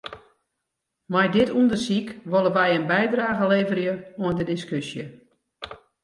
Mei dit ûndersyk wolle wy in bydrage leverje oan de diskusje.